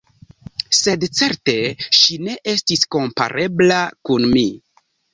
Sed certe, ŝi ne estis komparebla kun mi.